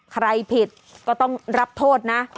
ใครผิดก็ต้องรับโทษนะ